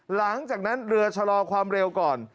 หลังจากนั้นเรือชะลอความเร็วก่อน